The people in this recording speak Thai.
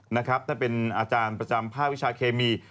ท่านเป็นอาจารย์ประจำภาควิชาเคมี